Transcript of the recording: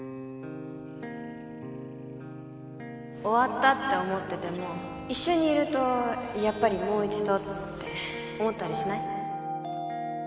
終わったって思ってても一緒にいるとやっぱりもう一度って思ったりしない？